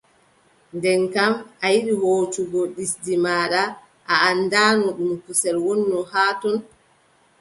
Nden kam a yiɗi hoocugo ɗisdi maaɗa, a anndaano ɗum kusel wonno haa ton.